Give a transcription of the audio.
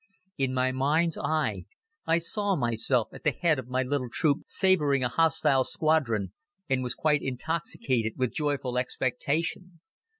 In my mind's eye I saw myself at the head of my little troop sabering a hostile squadron, and was quite intoxicated with joyful expectation.